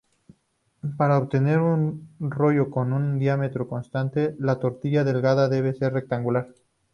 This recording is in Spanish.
Para obtener un rollo con un diámetro constante, la tortilla delgada debe ser rectangular.